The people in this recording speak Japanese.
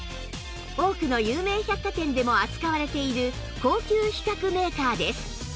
多くの有名百貨店でも扱われている高級皮革メーカーです